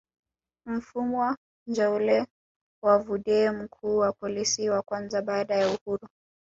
Mfumwa Njaule wa Vudee mkuu wa polisi wa kwanza baada ya uhuru